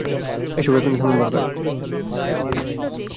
এসব এখনই থামানো দরকার।